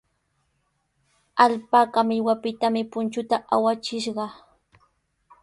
Alpaka millwapitami punchunta awachishqa.